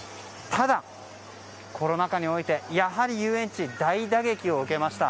ただ、コロナ禍においてやはり遊園地は大打撃を受けました。